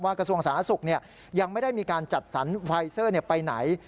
กระทรวงสาธารณสุขยังไม่ได้มีการจัดสรรไฟเซอร์ไปไหน